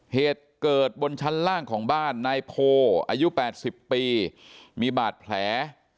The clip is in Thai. เหตุเกิดบนชั้นล่างของบ้านนายโพอายุ๘๐ปีมีบาดแผล